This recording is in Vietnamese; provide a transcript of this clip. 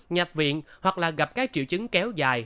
nhập viện hoặc gặp triệu chứng kéo dài